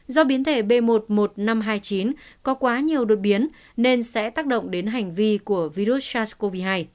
do biến thể b một mươi một nghìn năm trăm hai mươi chín có quá nhiều đột biến nên sẽ tác động đến hành vi của virus sars cov hai